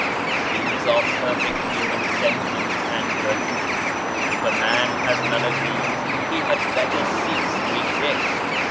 These are perfect human sentiments and virtues. If a man has none of these, he had better cease to exist.